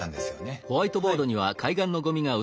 はい。